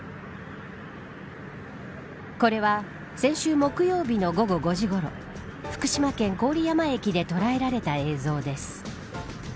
これは先週木曜日の午後５時ごろ福島県郡山駅で捉えられた映像です。